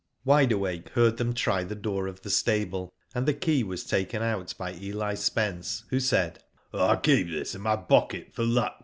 Wide Awake heard them try the door of the stable, and the key was taken out by Eli Spence, who said : '^'11 keep this in my pocket for luck."